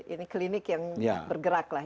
ini klinik yang bergerak lah